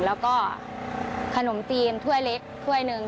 แล้วก็ขนมจีนถ้วยเล็กถ้วยหนึ่ง